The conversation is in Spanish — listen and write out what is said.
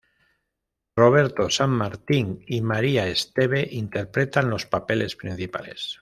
Roberto San Martín y María Esteve interpretan los papeles principales.